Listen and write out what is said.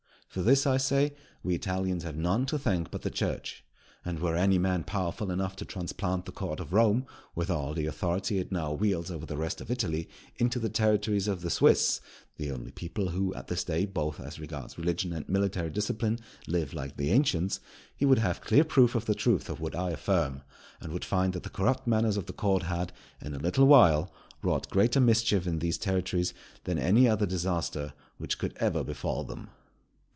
For this, I say, we Italians have none to thank but the Church. And were any man powerful enough to transplant the Court of Rome, with all the authority it now wields over the rest of Italy, into the territories of the Swiss (the only people who at this day, both as regards religion and military discipline, live like the ancients,) he would have clear proof of the truth of what I affirm, and would find that the corrupt manners of that Court had, in a little while, wrought greater mischief in these territories than any other disaster which could ever befall them.